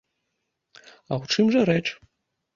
А ў чым жа рэч?